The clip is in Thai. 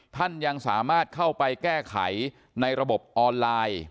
ท่านยังสามารถเข้าไปแก้ไขในระบบออนไลน์